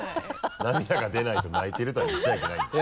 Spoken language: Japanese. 涙が出ないと「泣いてる」とは言っちゃいけないんだよ。